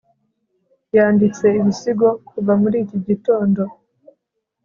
yanditse ibisigo kuva muri iki gitondo